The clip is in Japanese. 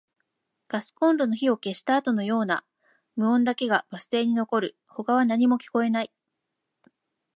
ガスコンロの火を消したあとのような無音だけがバス停に残る。他は何も聞こえない。